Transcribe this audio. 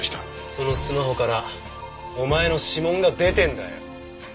そのスマホからお前の指紋が出てるんだよ。